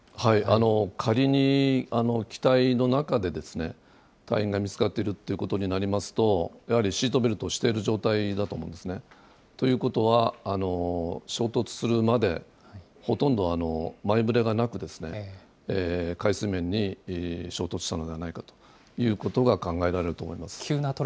仮に機体の中で隊員が見つかっているということになりますと、やはりシートベルトをしている状態だと思うんですね。ということは、衝突するまでほとんど前触れがなく、海水面に衝突したのではないかということが考えられると思います。